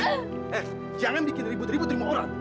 eh jangan bikin ribut ribut terima orang